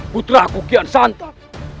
putra kukian santan